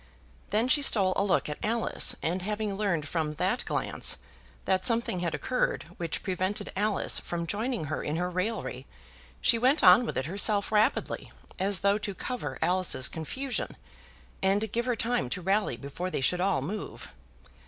Then she stole a look at Alice, and having learned from that glance that something had occurred which prevented Alice from joining her in her raillery, she went on with it herself rapidly, as though to cover Alice's confusion, and give her time to rally before they should all move.